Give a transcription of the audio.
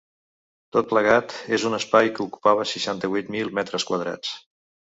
Tot plegat, en un espai que ocupava seixanta-vuit mil metres quadrats.